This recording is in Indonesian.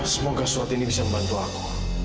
semoga surat ini bisa membantu aku